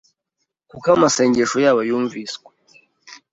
kuko "amasengesho yabo yumviswe